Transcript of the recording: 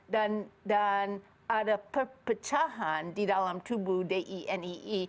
dan ada perpecahan di dalam tubuh dinee